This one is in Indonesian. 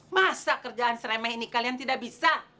masa kerjaan seremeh ini kalian tidak bisa